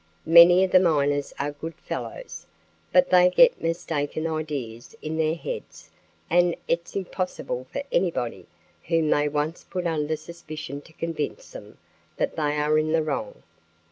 Many of the miners are good fellows, but they get mistaken ideas in their heads and it's impossible for anybody whom they once put under suspicion to convince them that they are in the wrong."